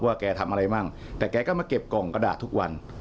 แกทำอะไรมั่งแต่แกก็มาเก็บกล่องกระดาษทุกวัน